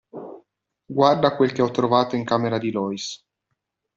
Guarda quel che ho trovato in camera di Lois.